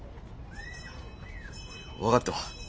分かったわ。